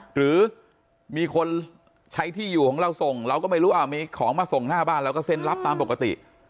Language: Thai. หรือมีคนใช้ที่อยู่ของเราส่งเราก็ไม่รู้มีของมาส่งหน้าบ้านเราก็เซ็นรับตามปกติ